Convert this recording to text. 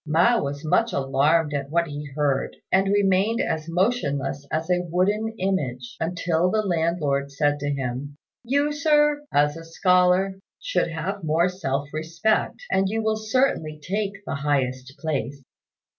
Mao was much alarmed at what he heard, and remained as motionless as a wooden image, until the landlord said to him, "You, Sir, as a scholar, should have more self respect, and you will certainly take the highest place."